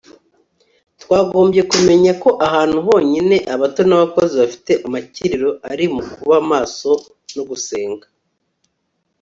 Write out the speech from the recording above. twagombye kumenya ko ahantu honyine abato n'abakuze bafite amakiriro ari mu kuba maso no gusenga